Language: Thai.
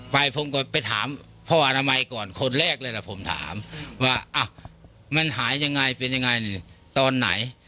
ไปผมก็ไปถามพ่ออนามัยก่อนคนแรกเลยล่ะผมถามว่ามันหายังไงเป็นยังไงตอนไหน